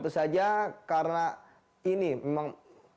tentu saja karena ini memang